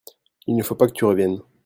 Il ne faut pas que tu reviennes